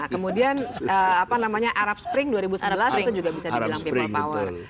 kemudian apa namanya arab spring dua ribu sembilan belas itu juga bisa dibilang people power